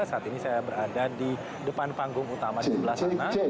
saat ini saya berada di depan panggung utama di sebelah sana